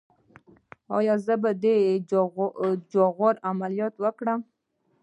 ایا زه باید د جاغور عملیات وکړم؟